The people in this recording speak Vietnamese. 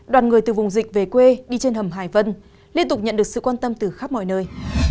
đoàn người từ vùng dịch về quê đi trên hầm hải vân liên tục nhận được sự quan tâm từ khắp mọi nơi